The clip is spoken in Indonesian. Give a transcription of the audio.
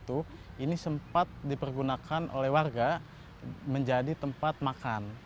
di tahun dua ribu lima belas itu ini sempat dipergunakan oleh warga menjadi tempat makan